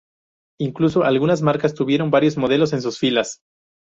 Incluso algunas marcas tuvieron varios modelos en sus filas.